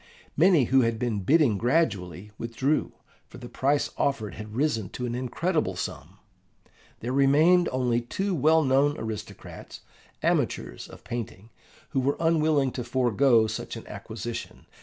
Many who had been bidding gradually withdrew, for the price offered had risen to an incredible sum. There remained only two well known aristocrats, amateurs of painting, who were unwilling to forego such an acquisition.